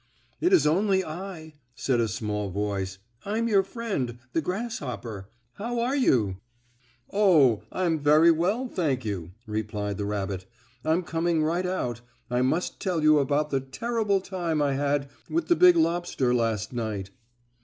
"It is only I," said a small voice. "I'm your friend, the grasshopper. How are you?" "Oh, I'm very well, thank you," replied the rabbit. "I'm coming right out. I must tell you about the terrible time I had with the big lobster last night."